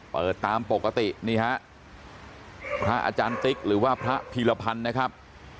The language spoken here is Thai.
ตามปกตินี่ฮะพระอาจารย์ติ๊กหรือว่าพระพีรพันธ์นะครับ